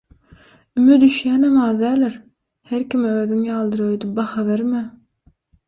Üme düşýänem az däldir, her kime özüň ýalydyr öýdüp baha berme!